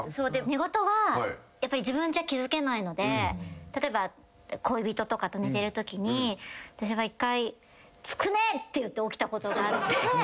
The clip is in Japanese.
寝言はやっぱり自分じゃ気付けないので例えば恋人とかと寝てるときに私は１回。って言って起きたことがあって。